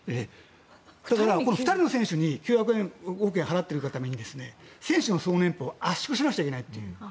２人の選手に９００億円払っているがために選手の総年俸を圧縮しなくちゃいけないという。